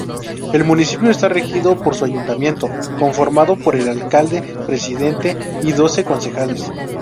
El municipio está regido por su ayuntamiento, conformado por el alcalde-presidente y doce concejales.